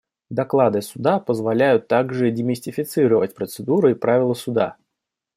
Доклады Суда позволяют также демистифицировать процедуры и правила Суда.